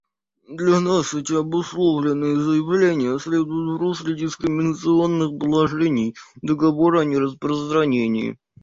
Для нас эти обусловленные заявления следуют в русле дискриминационных положений Договора о нераспространении.